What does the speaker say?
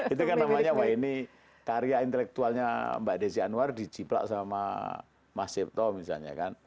itu kan namanya wah ini karya intelektualnya mbak desi anwar dijiplak sama mas sipto misalnya kan